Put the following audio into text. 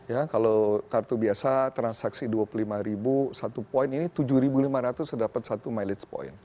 ya kalau kartu biasa transaksi rp dua puluh lima satu poin ini tujuh lima ratus dapat satu mileage point